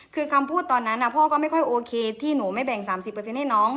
คือคำพูดตอนนั้นอ่ะพ่อก็ไม่ค่อยโอเคที่หนูไม่แบ่งสามสิบเปอร์เซ็นต์ให้น้อง